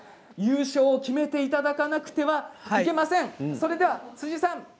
優勝を決めていただかなくてはいけません。